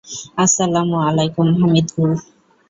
আসসালামু আলাইকুম, হামিদ গুল।